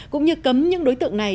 cũng như cấm những đối tượng này